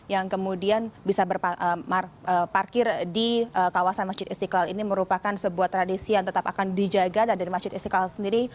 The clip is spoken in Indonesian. yang kemudian bisa berparkir di kawasan masjid istiqlal ini merupakan sebuah tradisi yang tetap akan dijaga dari masjid istiqlal sendiri